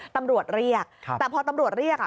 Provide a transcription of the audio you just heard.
ตำรวจเรียกแต่พอตำรวจเรียกอ่ะ